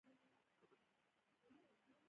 کاشکې ستا له ټولو نجونو سره وای.